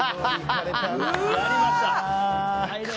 やりました！